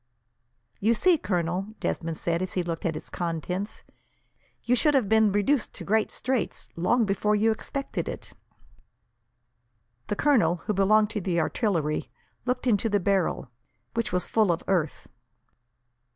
"You see, Colonel," Desmond said, as he looked at its contents, "you would have been reduced to great straits, long before you expected it." The colonel, who belonged to the artillery, looked into the barrel, which was full of earth.